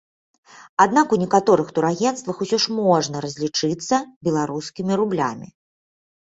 Аднак у некаторых турагенцтвах усё ж можна разлічыцца беларускімі рублямі.